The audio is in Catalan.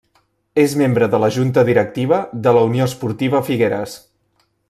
És membre de la Junta Directiva de la Unió Esportiva Figueres.